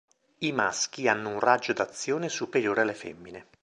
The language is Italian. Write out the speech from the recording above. I maschi hanno un raggio d'azione superiore alle femmine.